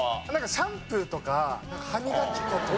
シャンプーとか歯磨き粉とか。